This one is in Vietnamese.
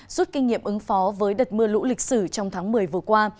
rút kinh nghiệm ứng phó với đợt mưa lũ lịch sử trong tháng một mươi vừa qua